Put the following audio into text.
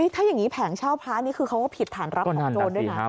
ถ้าอย่างนี้แผงเช่าพระนี่คือเขาก็ผิดฐานรับของโจรด้วยนะ